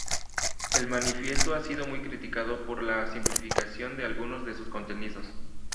El manifiesto ha sido muy criticado por la simplificación de algunos de sus contenidos.